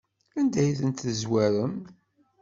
Anda ay tent-tezwarem?